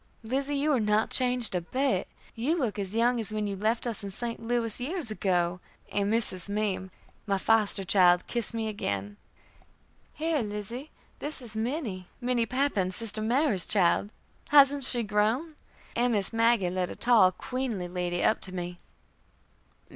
"Lizzie, you are not changed a bit. You look as young as when you left us in St. Louis, years ago," and Mrs. Meem, my foster child, kissed me again. "Here, Lizzie, this is Minnie, Minnie Pappan, sister Mary's child. Hasn't she grown?" and Miss Maggie led a tall, queenly lady up to me.